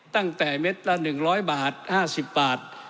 ตั้งแต่เม็ดละ๑๐๐บาท๕๐บาท